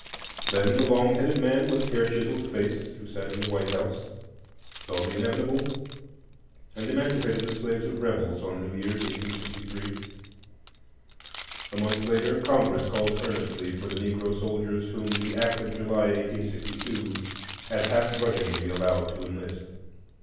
Then the long headed man with care chiselled face who sat in the White House saw the inevitable, and emancipated the slaves of rebels on New Year's, 1863. A month later Congress called earnestly for the Negro soldiers whom the act of July, 1862, had half grudgingly allowed to enlist.